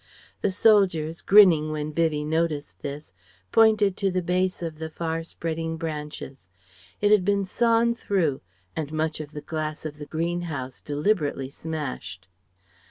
The soldiers, grinning when Vivie noticed this, pointed to the base of the far spreading branches. It had been sawn through, and much of the glass of the greenhouse deliberately smashed.